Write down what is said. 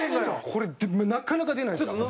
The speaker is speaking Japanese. これなかなか出ないですから。